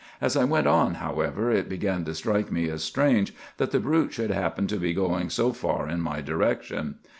As I went on, however, it began to strike me as strange that the brute should happen to be going so far in my direction.